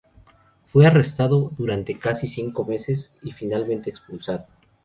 Fue arrestado durante casi cinco meses y finalmente expulsado.